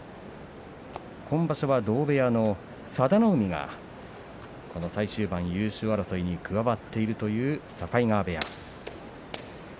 今場所は同部屋の佐田の海が最終盤、優勝争いに加わっているという境川部屋です。